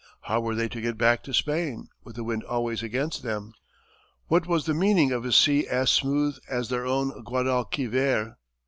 How were they to get back to Spain, with the wind always against them? What was the meaning of a sea as smooth as their own Guadalquiver?